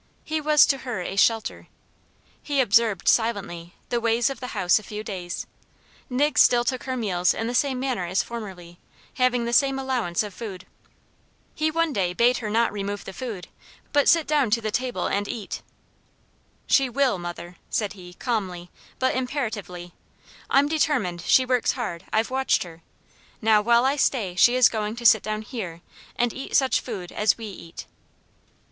He was to her a shelter. He observed, silently, the ways of the house a few days; Nig still took her meals in the same manner as formerly, having the same allowance of food. He, one day, bade her not remove the food, but sit down to the table and eat. "She WILL, mother," said he, calmly, but imperatively; I'm determined; she works hard; I've watched her. Now, while I stay, she is going to sit down HERE, and eat such food as we eat."